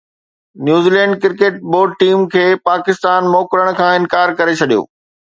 New Zealand cricket board team کي پاڪستان موڪلڻ کان انڪار ڪري ڇڏيو